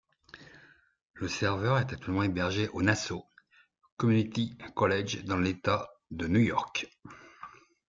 Le serveur est actuellement hébergé au Nassau Community College dans l'État de New York.